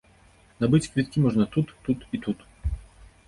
Набыць квіткі можна тут, тут і тут.